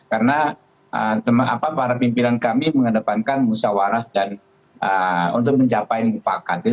karena teman teman para pimpinan kami menghadapankan musyawarah dan untuk mencapai mufakat